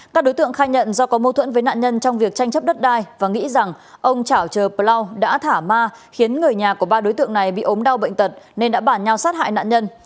các đối tượng khai nhận do có mâu thuẫn với nạn nhân trong việc tranh chấp đất đai và nghĩ rằng ông trảo chờ plau đã thả ma khiến người nhà của ba đối tượng này bị ốm đau bệnh tật nên đã bản nhau sát hại nạn nhân